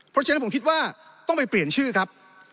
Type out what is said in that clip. เพราะฉะนั้นผมคิดว่าต้องไปเปลี่ยนชื่อครับ